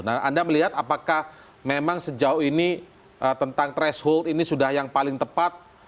nah anda melihat apakah memang sejauh ini tentang threshold ini sudah yang paling tepat